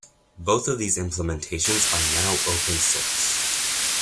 Both of these implementations are now open source.